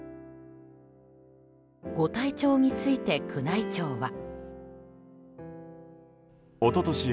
ご体調について、宮内庁は。